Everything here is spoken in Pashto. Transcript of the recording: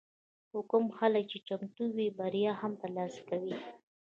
خو کوم خلک چې چمتو وي، بریا هم ترلاسه کوي.